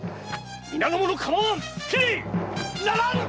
皆の者構わん斬れ‼ならん！